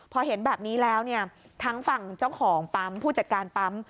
พอเห็นแบบนี้แล้วเนี่ยทั้งฝั่งเจ้าของปั๊มผู้จัดการปั๊ม